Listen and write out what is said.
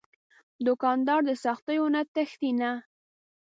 دوکاندار د سختیو نه تښتي نه.